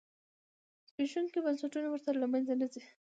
زبېښونکي بنسټونه ورسره له منځه نه ځي.